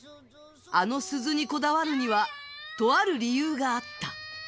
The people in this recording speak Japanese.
あの鈴にこだわるにはとある理由があった。